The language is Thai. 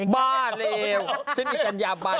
บ้าเหรียวฉันมีกัญญาบัน